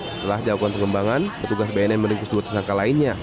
setelah jawaban perkembangan petugas bnn menunggu sesuatu tersangka lainnya